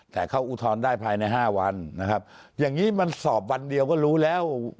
แต่เขาอุทธรณ์ได้ภายในห้าวันนะครับอย่างนี้มันสอบวันเดียวก็รู้แล้ว